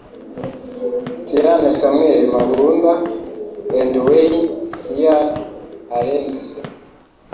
Tiyane Samuel Mabunda and Wayne Earl Arendse